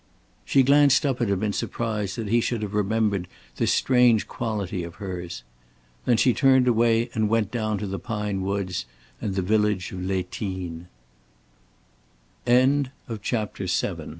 She glanced up at him in surprise that he should have remembered this strange quality of hers. Then she turned away and went down to the pine woods and the village of Les Tines. CHAPTER VIII S